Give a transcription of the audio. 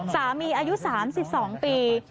สามีอายุ๓๒ปี